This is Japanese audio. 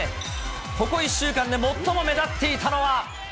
ここ１週間で最も目立っていたのは。